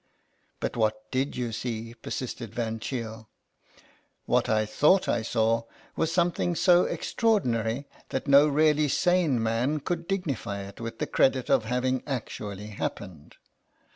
" But what did you see ?" persisted Van Cheele. " What I thought I saw was something so extraordinary that no really sane man could dignify it with the credit of having actually happened.